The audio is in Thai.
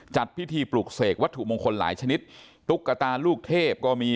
จัดพิธีปลุกเสกวัตถุมงคลหลายชนิดตุ๊กตาลูกเทพก็มี